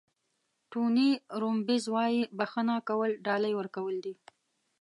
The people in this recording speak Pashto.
ټوني روبینز وایي بښنه کول ډالۍ ورکول دي.